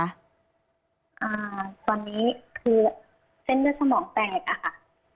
อ่าตอนนี้คือเส้นเลือดสมองแตกอะค่ะ